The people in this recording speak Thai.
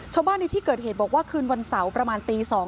ในที่เกิดเหตุบอกว่าคืนวันเสาร์ประมาณตี๒